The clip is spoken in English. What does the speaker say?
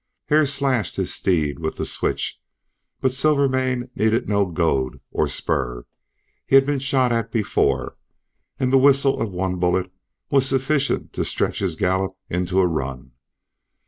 Hare slashed his steed with the switch. But Silvermane needed no goad or spur; he had been shot at before, and the whistle of one bullet was sufficient to stretch his gallop into a run.